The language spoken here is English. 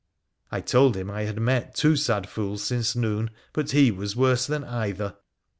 I told him I had met two sad fools since noon, but he was worse than either.